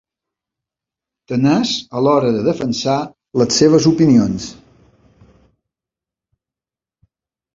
Tenaç a l'hora de defensar les seves opinions.